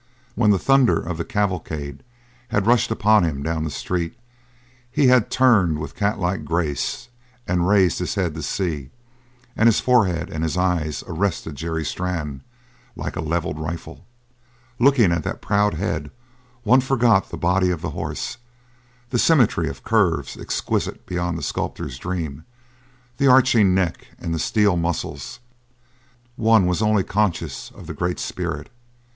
When the thunder of the cavalcade had rushed upon him down the street he had turned with catlike grace and raised his head to see; and his forehead and his eyes arrested Jerry Strann like a levelled rifle. Looking at that proud head one forgot the body of the horse, the symmetry of curves exquisite beyond the sculptor's dream, the arching neck and the steel muscles; one was only conscious of the great spirit.